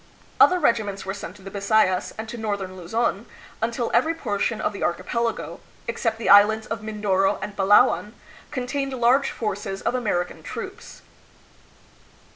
Other regiments were sent to the Bisayas and to northern Luzon, until every portion of the archipelago, except the islands of Mindoro and Palawan, contained large forces of Amer ican troops.